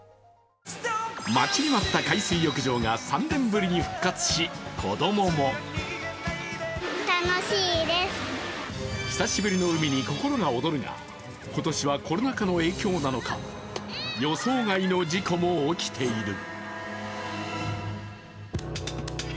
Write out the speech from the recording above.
待ちに待った海水浴場が３年ぶりに復活し、子供も久しぶりの海に心が躍るが、今年はコロナ禍の影響なのか、予想外の事故も起きている。